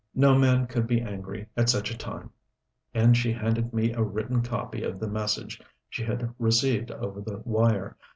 No man could be angry at such a time; and she handed me a written copy of the message she had received over the wire.